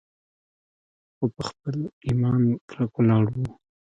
خو پۀ خپل ايمان کلک ولاړ وو